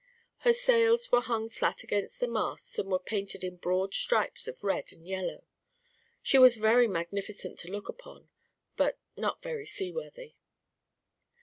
Her sails were hung flat against the masts and were painted in broad stripes of red and yellow. She was very magnificent to look upon, but not very seaworthy.